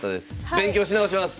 勉強し直します！